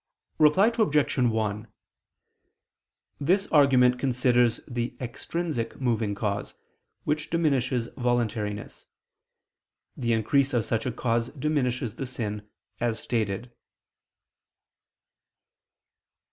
Reply Obj. 1: This argument considers the extrinsic moving cause, which diminishes voluntariness. The increase of such a cause diminishes the sin, as stated.